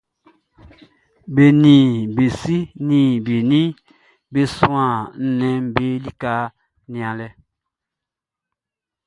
Be nin be si nin be nin be suan nnɛnʼm be lika nianlɛ.